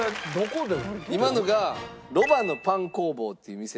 今のが「ロバのパン工房」という店の。